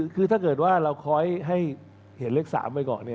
คือถ้าเกิดว่าเราคอยให้เห็นเลข๓ไว้ก่อนเนี่ย